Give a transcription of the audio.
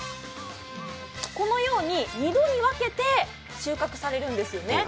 このように２度に分けて収穫されるんですよね。